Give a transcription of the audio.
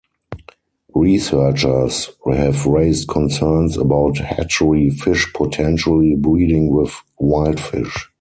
Researchers have raised concerns about hatchery fish potentially breeding with wild fish.